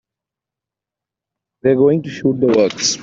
We're going to shoot the works.